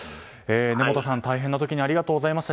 根本さん、大変な時にありがとうございました。